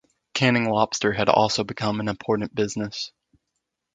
Canning lobster had also become an important business.